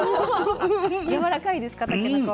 やわらかいですかたけのこ？